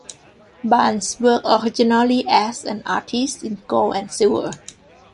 Barnes worked originally as an artist in gold and silver.